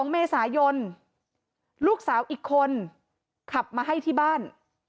๒เมษายนลูกสาวอีกคนขับมาให้ที่บ้าน